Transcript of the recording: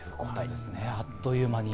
あっという間に。